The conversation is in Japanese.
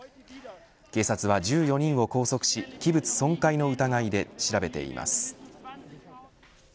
警察は１４人を拘束し器物損壊の疑いで調べています。